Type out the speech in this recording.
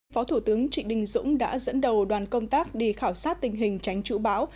phó thủ tướng trịnh đình dũng đã dẫn đầu đoàn công tác đi khảo sát tình hình tránh trụ bão